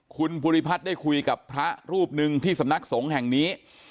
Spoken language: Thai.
คุณภูริพัฒน์ได้คุยกับพระรูปหนึ่งที่สำนักสงฆ์แห่งนี้